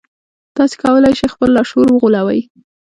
تاسې کولای شئ خپل لاشعور وغولوئ